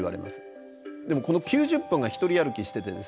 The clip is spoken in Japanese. でもこの９０分がひとり歩きしててですね